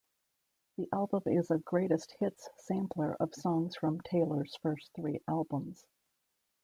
The album is a "greatest hits" sampler of songs from Taylor's first three albums.